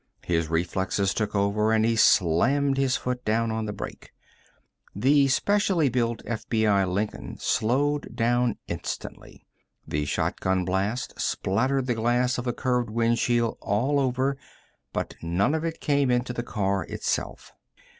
His reflexes took over and he slammed his foot down on the brake. The specially built FBI Lincoln slowed down instantly. The shotgun blast splattered the glass of the curved windshield all over but none of it came into the car itself.